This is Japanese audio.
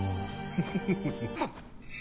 フフフフ。